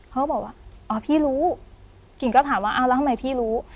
เขาบอกว่าอ๋อพี่รู้กิ่งก็ถามว่าเอาแล้วทำไมพี่รู้